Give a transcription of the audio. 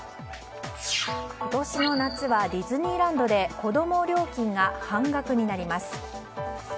今年の夏はディズニーランドで子供料金が半額になります。